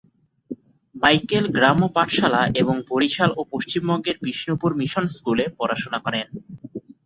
Michael গ্রাম্য পাঠশালা এবং বরিশাল ও পশ্চিমবঙ্গের বিষ্ণুপুর মিশন স্কুলে পড়াশোনা করেন।